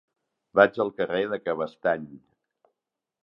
Vaig al carrer de Cabestany.